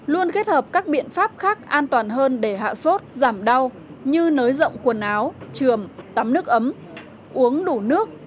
luôn kết hợp các biện pháp khác an toàn hơn để hạ sốt giảm đau như nới rộng quần áo trường tắm nước ấm uống đủ nước